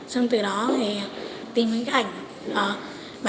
xong từ đó thì tìm những cái ảnh bản hồ việt nam à